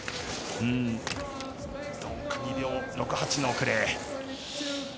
２秒６８の遅れ。